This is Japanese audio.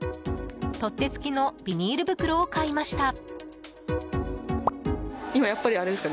取っ手付きのビニール袋を買いました。